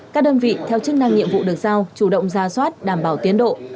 các đơn vị theo chức năng nhiệm vụ được giao chủ động ra soát đảm bảo tiến độ